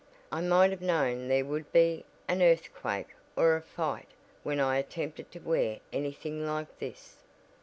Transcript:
I might have known there would be an earthquake or a fight when I attempted to wear anything like this."